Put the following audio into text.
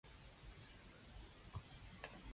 一個